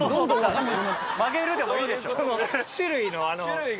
曲げるでもいいでしょ。